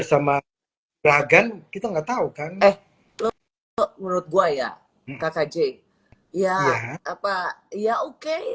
sama ragan kita enggak tahu kan eh menurut gua ya kkj ya apa ya oke